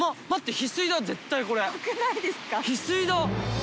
ヒスイだ。